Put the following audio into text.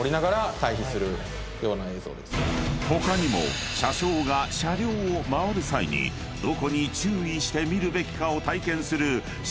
［他にも車掌が車両を回る際にどこに注意して見るべきかを体験する］